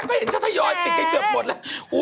ก็เห็นฉันทยอยปิดกันเกือบหมดแล้ว